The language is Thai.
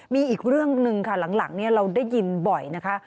มีอีกเรื่องหนึ่งค่ะหลังเราได้ยินบ่อยนะคะ